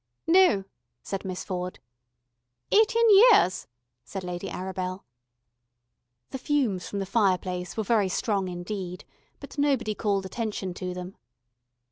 "No," said Miss Ford. "Eighteen years," said Lady Arabel. The fumes from the fireplace were very strong indeed, but nobody called attention to them.